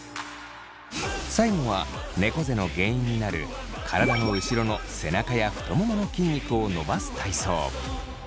最後はねこ背の原因になる体の後ろの背中や太ももの筋肉を伸ばす体操。